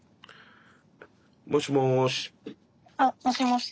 もしもし。